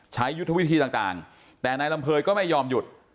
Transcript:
ยุทธวิธีต่างแต่นายลำเภยก็ไม่ยอมหยุด